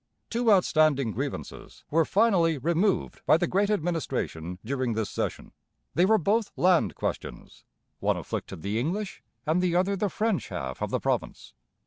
Two outstanding grievances were finally removed by the Great Administration during this session. They were both land questions; one afflicted the English, and the other the French, half of the province.